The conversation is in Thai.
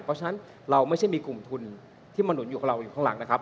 เพราะฉะนั้นเราไม่ใช่มีกลุ่มทุนที่มาหนุนอยู่กับเราอยู่ข้างหลังนะครับ